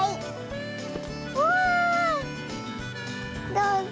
どうぞ。